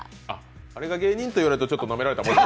あれが芸人と言われるとちょっとなめられたもんだ。